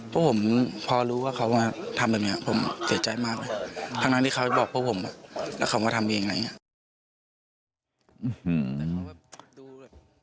พวกผมพอรู้ว่าเขามาทำแบบนี้ผมเสียใจมากเลยทั้งที่เขาบอกพวกผมแล้วเขามาทำเองอะไรอย่างนี้